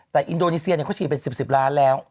แต่อินโดนีเซียเขาฉีดเป็น๑๐ล้านแล้ว